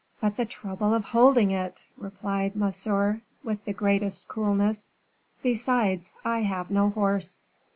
"But the trouble of holding it!" replied Monsieur, with the greatest coolness; "besides, I have no horse."